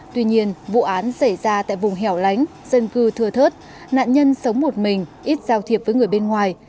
tuy nhiên vụ án xảy ra tại vùng hẻo lánh dân cư thừa thớt nạn nhân sống một mình ít giao thiệp với người bên ngoài